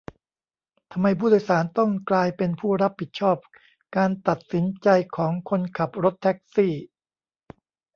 ทำไมผู้โดยสารต้องกลายเป็นผู้รับผิดชอบการตัดสินใจของคนขับรถแท็กซี่ ?